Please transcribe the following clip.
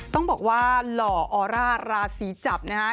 ต้องบอกว่าหล่อออร่าราศีจับนะฮะ